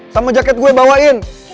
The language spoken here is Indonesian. sama jaket gue bawain